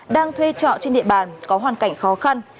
đang thuê trọ trên địa bàn có hoàn cảnh khó khăn